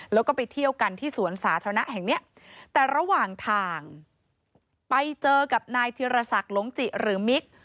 แล้วก็ไปเที่ยวกันที่สวนสาธารณะแห่งเนี้ยแต่ระหว่างทางไปเจอกับนายธิรศักดิ์หลงจิหรือมิก